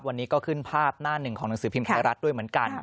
วันนี้ก็ขึ้นภาพหน้าหนึ่งของหนังสือพิมพ์ไทยรัฐด้วยเหมือนกัน